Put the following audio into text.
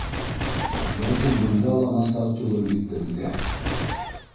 Ләкин бында ла насар түгел бит беҙгә